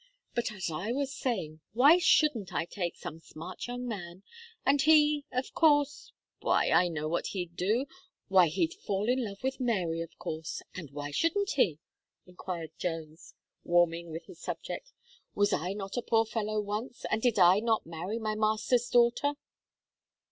But, as I was saying, why shouldn't I take some smart young man, and he, of course why, I know what he'd do why, he'd fall in love with Mary, of course and why shouldn't he?" inquired Jones, warming with his subject "Was I not a poor fellow once, and did I not marry my master's daughter?"